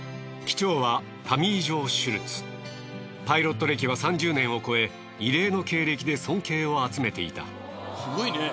パイロット歴は３０年を超え異例の経歴で尊敬を集めていた。